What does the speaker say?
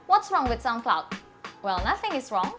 apa yang salah dengan soundcloud